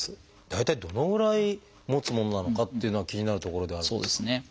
大体どのぐらいもつものなのかっていうのは気になるところではあるんですが。